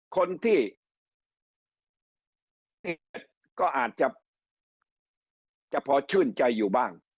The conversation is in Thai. คนที่ก็อาจจะพอชื่นใจอยู่บ้าง